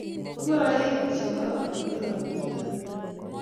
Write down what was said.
Ngoroik che kororon koyabu pitanin